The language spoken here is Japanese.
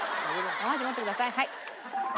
お箸持ってください。